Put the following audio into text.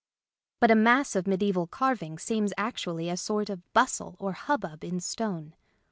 But a mass of mediaeval carving seems actually a sort of bustle or hubbub in stone.